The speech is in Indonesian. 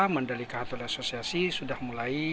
mendalika hatul eksosiasi sudah mulai